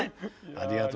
ありがとう。